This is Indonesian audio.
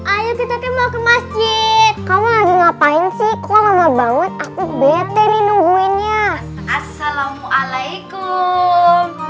ayo kita mau ke masjid kamu lagi ngapain sih kok lama banget aku bete nih nungguinnya assalamualaikum